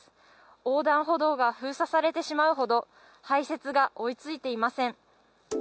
横断歩道が封鎖されてしまうほど排雪が追いついていません。